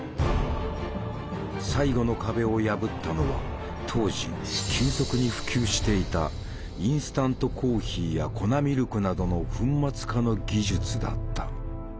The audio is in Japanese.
最後の壁を破ったのは当時急速に普及していたインスタントコーヒーや粉ミルクなどの粉末化の技術だった。